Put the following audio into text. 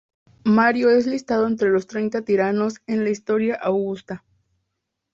Mario es listado entre los Treinta Tiranos en la "Historia Augusta".